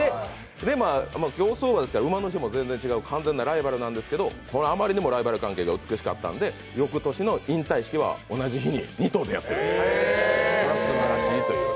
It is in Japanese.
競走馬ですから、馬の種類も違う、完全なライバルなんですが、あまりにもライバル関係が美しかったので翌年の引退式は同じ日に２頭でやっているという。